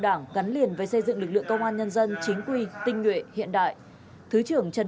đảng gắn liền với xây dựng lực lượng công an nhân dân chính quy tinh nguyện hiện đại thứ trưởng trần